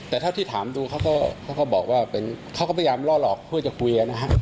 แต่เท่าที่ถามดูเขาก็บอกว่าเขาก็พยายามล่อหลอกเพื่อจะคุยนะฮะ